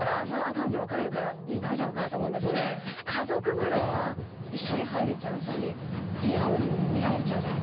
男女分かれるから大丈夫かなと思うんですけど家族風呂は一緒に入れちゃうしリアルに見られちゃうじゃないですか。